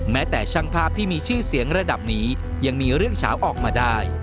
แม้แต่ช่างภาพที่มีชื่อเสียงระดับนี้ยังมีเรื่องเฉาออกมาได้